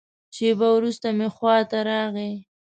شېبه وروسته مې خوا ته راغی.